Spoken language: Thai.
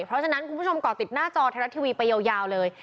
เพราะฉะนั้นคุณผู้ชมก่อติดหน้าจอไทยรัฐทีวีไปยาวเลย